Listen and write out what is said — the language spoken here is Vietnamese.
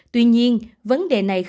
tuy nhiên vấn đề này không chỉ là một vấn đề